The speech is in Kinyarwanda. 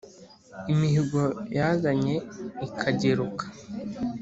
Imihigo bazanye ikageruka